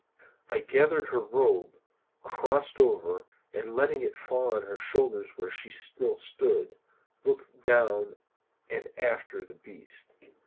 I gathered up her robe, crossed over, and letting it fall on her shoulders where she still stood, looking down and after the beast.